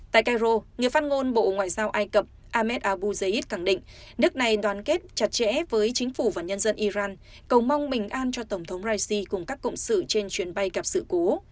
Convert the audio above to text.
tại cairo người phát ngôn bộ ngoại giao ai cập ahmed abujays khẳng định nước này đoàn kết chặt chẽ với chính phủ và nhân dân iran cầu mong bình an cho tổng thống raisi cùng các cộng sự trên chuyến bay gặp sự cố